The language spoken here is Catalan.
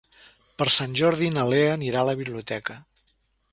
Per Sant Jordi na Lea anirà a la biblioteca.